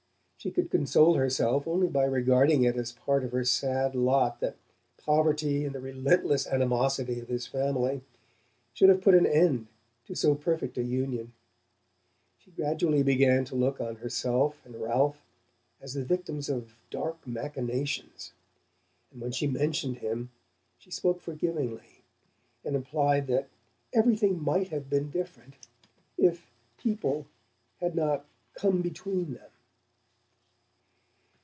She could console herself only by regarding it as part of her sad lot that poverty and the relentless animosity of his family, should have put an end to so perfect a union: she gradually began to look on herself and Ralph as the victims of dark machinations, and when she mentioned him she spoke forgivingly, and implied that "everything might have been different" if "people" had not "come between" them.